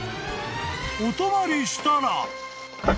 ［お泊まりしたら］